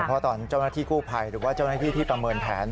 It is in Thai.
เพราะตอนเจ้าหน้าที่กู้ภัยหรือว่าเจ้าหน้าที่ที่ประเมินแผน